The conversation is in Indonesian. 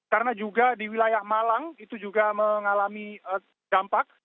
karena juga di wilayah malang itu juga mengalami dampak